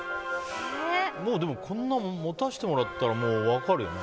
でも、こんなの持たせてもらったらもう、分かるよね。